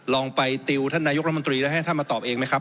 ผมจะขออนุญาตให้ท่านอาจารย์วิทยุซึ่งรู้เรื่องกฎหมายดีเป็นผู้ชี้แจงนะครับ